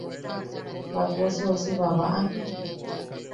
¿Batwe si ousi babaʼam?